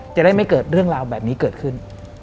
จะได้ไม่เกิดเรื่องราวแบบนี้เกิดขึ้น